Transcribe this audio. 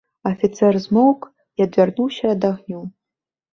Афіцэр змоўк і адвярнуўся ад агню.